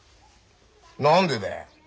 何でだよ？